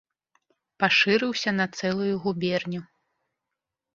Пашырыўся на цэлую губерню.